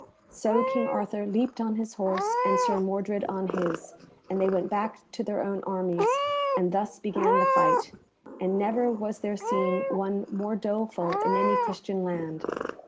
So King Arthur leaped on his horse, and Sir Mordred on his, and they went back to their own armies, and thus began the fight, and never was there seen one more doleful in any Christian land.